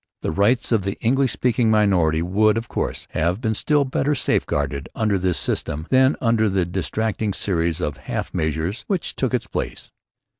The rights of the English speaking minority could, of course, have been still better safeguarded under this system than under the distracting series of half measures which took its place.